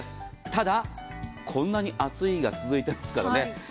ただ、こんなに暑い日が続いていますからね